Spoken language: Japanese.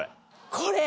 これ。